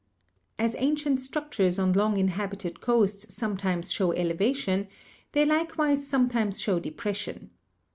As ancient structures on long inhabited coasts some times show elevation, they likewise sometimes show de pression.